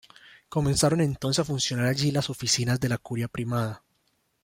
Comenzaron entonces a funcionar allí las oficinas de la curia primada.